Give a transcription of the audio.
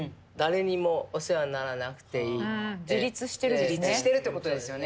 それから自立してるってことですよね。